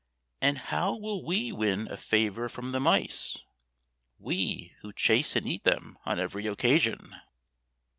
" And how will we win a favor from the mice — we, who chase and eat them on every occasion?